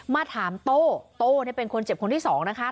มาถามโต้โต้เป็นคนเจ็บคนที่สองนะคะ